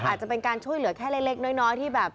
อาจจะเป็นการช่วยเหลือแค่เล็กน้อยที่แบบ